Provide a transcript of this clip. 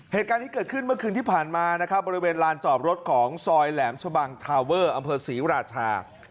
เหตุการณ์นี้เกิดขึ้นเมื่อคืนที่ผ่านมานะครับบริเวณลานจอดรถของซอยแหลมชะบังทาเวอร์อำเภอศรีราชา